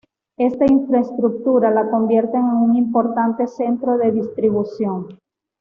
Esta infraestructura la convierten en un importante centro de distribución.